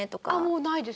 もうないです。